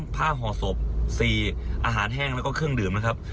ห่อศพ๔อาหารแห้งแล้วก็เครื่องดื่มนะครับ